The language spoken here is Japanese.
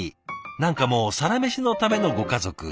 何かもう「サラメシ」のためのご家族。